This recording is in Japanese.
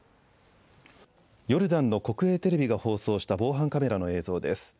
ヨルダンの国営テレビが放送した防犯カメラの映像です。